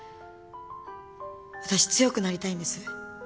私強くなりたいんです。